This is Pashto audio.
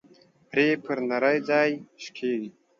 پړى پر نري ځاى شکېږي.